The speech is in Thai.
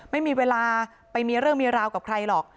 ไม่มีเวลาไปมีเรื่องมีราวกับใครหรอก